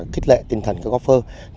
kích lệ tinh thần các gốc phơ